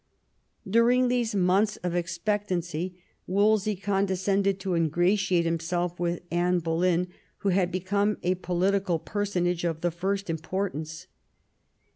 During these months of expectancy Wolsey conde scended to ingratiate himself with Anne Boleyn, who had become a political personage of the first importance.